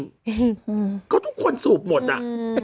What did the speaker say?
ตำรวจก็สูบหมดน่ะ